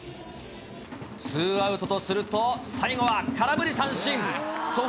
ツーアウトとすると、最後は空振り三振。